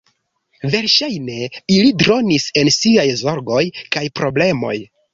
Verŝajne ili dronis en siaj zorgoj kaj problemoj.